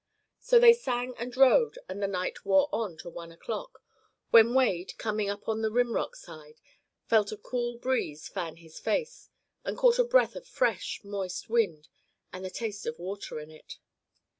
So they sang and rode and the night wore on to one o'clock, when Wade, coming up on the rim rock side, felt a cool breeze fan his face, and caught a breath of fresh, moist wind with the taste of water in it.